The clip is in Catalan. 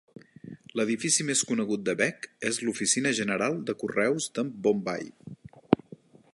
L'edifici més conegut de Begg és l'oficina general de correus de Bombai.